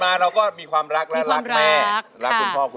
ด้านล่างเขาก็มีความรักให้กันนั่งหน้าตาชื่นบานมากเลยนะคะ